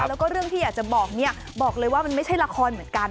แล้วก็เรื่องที่อยากจะบอกเนี่ยบอกเลยว่ามันไม่ใช่ละครเหมือนกัน